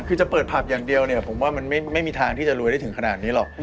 คือจะเปิดผับอย่างเดียวเนี่ยผมว่ามันไม่มีทางที่จะรวยได้ถึงขนาดนี้หรอก